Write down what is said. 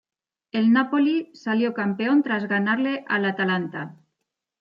El Napoli salió campeón tras ganarle al Atalanta.